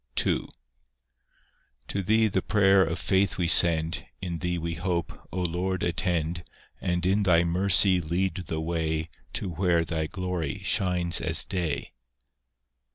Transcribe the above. II To Thee the prayer of faith we send, In Thee we hope: O Lord, attend, And in Thy mercy lead the way To where Thy glory shines as day.